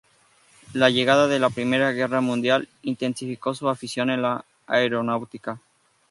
La llegada de la Primera Guerra Mundial intensificó su afición a la aeronáutica.